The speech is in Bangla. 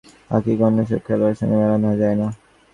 আঁখিকে অন্য সব খেলোয়াড়ের সঙ্গে মেলানো যায় না।